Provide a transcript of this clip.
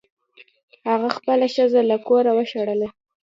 هغه خپله ښځه له کوره وشړله.